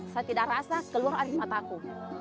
saya tidak rasa keluar dari mata aku